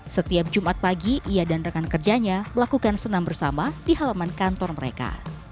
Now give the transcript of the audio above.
setiap jumat pagi ia dan rekan kerjanya melakukan senam bersama di halaman kantor mereka